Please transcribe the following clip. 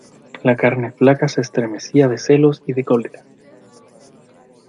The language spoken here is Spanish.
la carne flaca se estremecía de celos y de cólera.